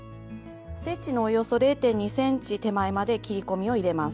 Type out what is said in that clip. ステッチのおよそ０．２ｃｍ手前まで切り込みを入れます。